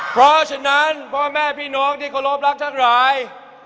เพราะฉะนั้นพ่อแม่พี่น้องที่เคารพรักทั้งหลาย